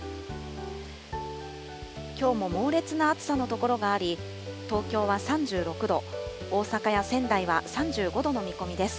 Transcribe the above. きょうも猛烈な暑さの所があり、東京は３６度、大阪や仙台は３５度の見込みです。